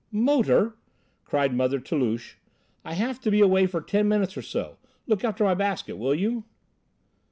"Motor," cried Mother Toulouche, "I have to be away for ten minutes or so; look after my basket, will you?"